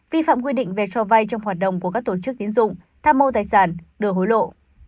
vi phạm quy định về cho vay trong hoạt động của các tổ chức tiến dụng tham mô tài sản đưa hối lộ